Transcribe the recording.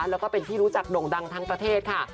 แล้วก็เป็นที่รู้จักโด่งดังทั้งประเทศค่ะ